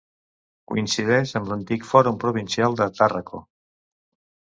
Coincideix amb l'antic Fòrum Provincial de Tàrraco.